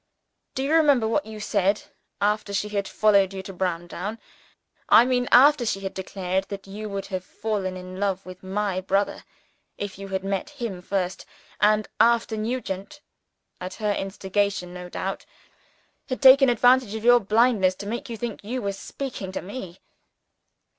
"Do you remember what you said, after she had followed you to Browndown? I mean, after she had declared that you would have fallen in love with my brother if you had met him first and after Nugent (at her instigation no doubt) had taken advantage of your blindness to make you believe that you were speaking to _me.